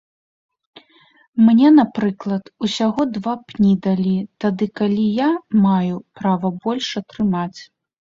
Мне, напрыклад, усяго два пні далі, тады калі я маю права больш атрымаць.